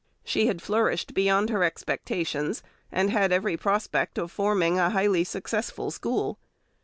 She had flourished beyond her expectations, and had every prospect of forming a highly successful school.